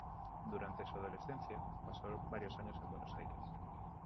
Durante su adolescencia, pasó varios años en Buenos Aires.